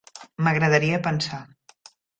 M'agradaria pensar.